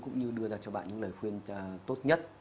cũng như đưa ra cho bạn những lời khuyên tốt nhất